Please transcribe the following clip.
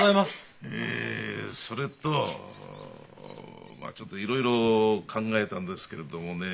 えそれとまあちょっといろいろ考えたんですけれどもね